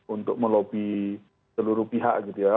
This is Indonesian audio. untuk melobi seluruh pihak gitu ya